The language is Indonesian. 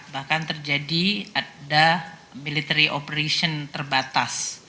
bahkan terjadi ada military operation terbatas